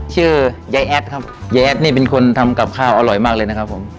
ชื่อยายแอดครับยายแอดนี่เป็นคนทำกับข้าวอร่อยมากเลยนะครับผม